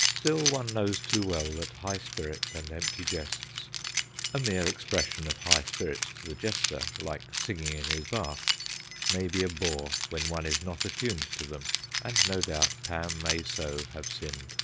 Still, one knows too well that high spirits and empty jests a mere expression of high spirits to the jester, like singing in his bath may be a bore when one is not attuned to them, and no doubt Pam may so have sinned.